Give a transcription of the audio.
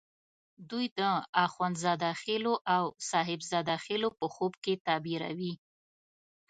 دوی د اخند زاده خېلو او صاحب زاده خېلو په خوب کې تعبیروي.